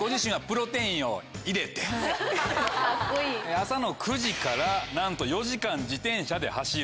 朝の９時からなんと４時間自転車で走る。